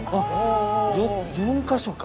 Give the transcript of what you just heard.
４か所か。